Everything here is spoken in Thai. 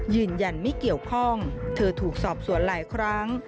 ยืนยันไม่เกี่ยวข้องเธอถูกสอบสวนหลายครั้ง